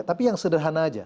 tapi yang sederhana aja